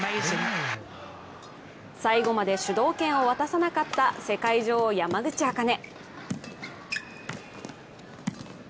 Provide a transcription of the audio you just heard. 最後まで主導権を渡さなかった世界女王・山口茜。